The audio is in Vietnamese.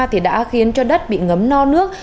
thì đã khiến cho đất bị ngấm no nước